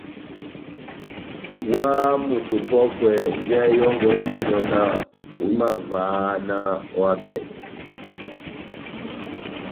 Óháháha moto opɔ́kwɛ njahɛ yɔngɔ éjinɔ náh ohimavaha náh ohábɛhe.